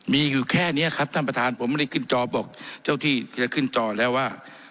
มีอยู่แค่นี้ครับท่านประธานผมไม่ได้ขึ้นจอบอกเจ้าที่จะขึ้นจอแล้วว่า